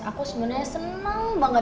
aku sebenarnya senang banget